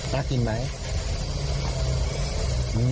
น่ากินไหม